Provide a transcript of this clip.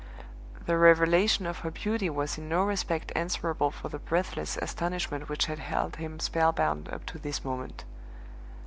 The revelation of her beauty was in no respect answerable for the breathless astonishment which had held him spell bound up to this moment.